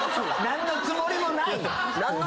何のつもりもないねん。